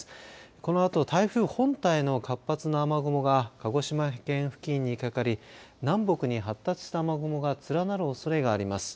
このあと、台風本体の活発な雨雲が鹿児島県付近にかかり南北に発達した雨雲が連なるおそれがあります。